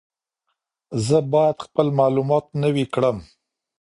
زه باید خپل معلومات نوي کړم.